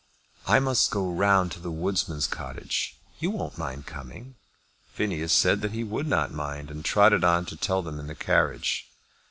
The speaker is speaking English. "I must go round by the woodman's cottage. You won't mind coming?" Phineas said that he would not mind, and trotted on to tell them in the carriage.